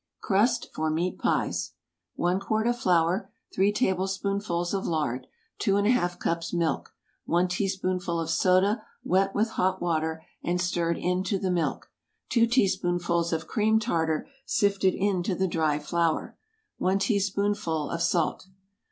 CRUST FOR MEAT PIES. ✠ 1 quart of flour. 3 tablespoonfuls of lard. 2½ cups milk. 1 teaspoonful of soda wet with hot water, and stirred into the milk. 2 teaspoonfuls of cream tartar sifted into the dry flour. 1 teaspoonful of salt.